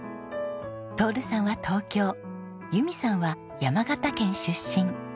徹さんは東京由美さんは山形県出身。